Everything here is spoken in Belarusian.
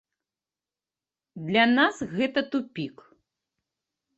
Для нас гэта тупік.